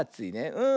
うん。